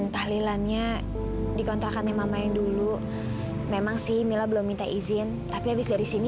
tahlilannya di kontrakannya mama yang dulu memang sih mila belum minta izin tapi habis dari sini